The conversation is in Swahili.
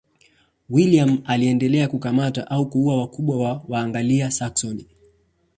William aliendelea kukamata au kuua wakubwa wa Waanglia-Saksoni.